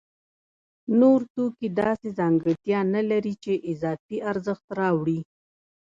نور توکي داسې ځانګړتیا نلري چې اضافي ارزښت راوړي